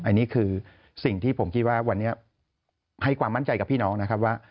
อันนี้คือสิ่งที่ผมคิดว่าวันนี้ให้ความมั่นใจกับพี่น้องนะครับว่า